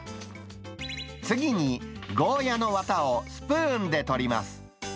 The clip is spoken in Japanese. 次に、ゴーヤのワタをスプーンで取ります。